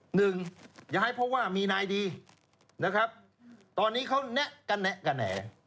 หนึ่งย้ายเพราะว่ามีนายดีนะครับตอนนี้เขาแนะกระแนะกระแหน่